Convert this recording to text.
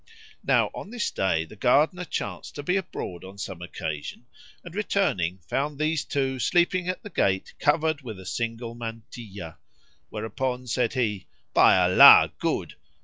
Now on this day the Gardener chanced to be abroad on some occasion and returning found these two sleeping at the gate covered with a single mantilla; whereupon said he, "By Allah, good!